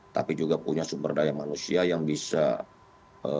tapi juga punya sumber daya manusia yang bisa menjadikan kita lebih berharga